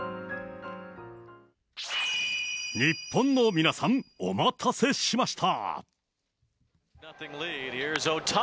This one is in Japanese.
日本の皆さん、お待たせしました。